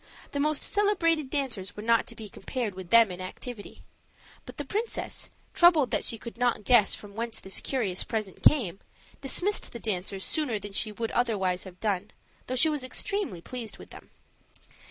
The most celebrated dancers were not to be compared with them in activity. But the princess, troubled that she could not guess from whence this curious present came, dismissed the dancers sooner than she would otherwise have done, though she was extremely pleased with them.